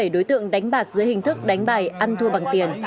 hai mươi bảy đối tượng đánh bạc dưới hình thức đánh bài ăn thua bằng tiền